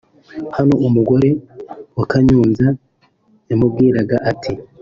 Hano umugore wa Kanyombya yamubwiraga ati